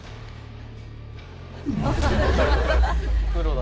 プロだ。